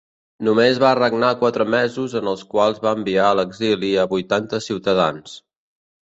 Només va regnar quatre mesos en els quals va enviar a l'exili a vuitanta ciutadans.